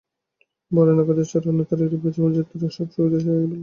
বড় নগরাদি ছাড়া অন্যত্র ইউরোপীয় জীবনযাত্রার সুখ-সুবিধা নেই বললেই চলে।